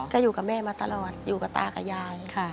ก็อยู่กับแม่มาตลอดอยู่กับตากับยาย